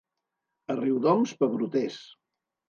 A Riudoms, pebroters.